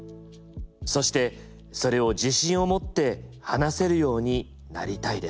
そしてそれを自信を持って話せるようになりたいです」。